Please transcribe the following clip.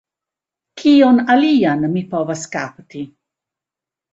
Kion alian mi povas kapti?